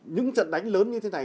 những trận đánh lớn như thế này